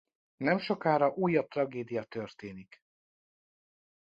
Nemsokára újabb tragédia történik.